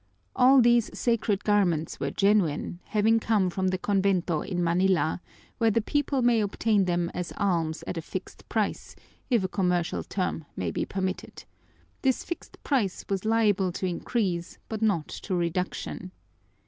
All these sacred garments were genuine, having come from the convento in Manila, where the people may obtain them as alms at a fixed price, if a commercial term may be permitted; this fixed price was liable to increase but not to reduction.